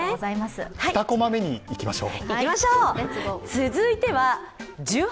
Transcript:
２コマ目にいきましょう。